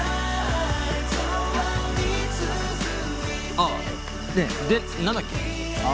ああで何だっけ？